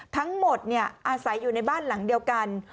ทั้งหมดอาศัยอยู่ในบ้านหลังเดียวกัน